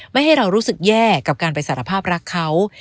ไม่ให้เรารู้สึกแย่กับการไปสารภาพรักเขา